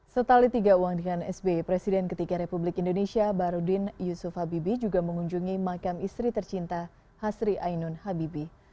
setali tiga uang dengan sby presiden ketiga republik indonesia barudin yusuf habibie juga mengunjungi makam istri tercinta hasri ainun habibi